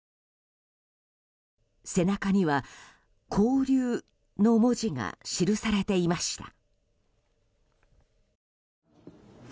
背中には勾留の文字が記されていました。